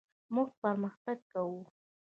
موږ پرمختګ کوو.